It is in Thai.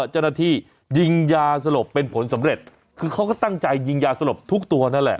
เจ้าหน้าที่ยิงยาสลบเป็นผลสำเร็จคือเขาก็ตั้งใจยิงยาสลบทุกตัวนั่นแหละ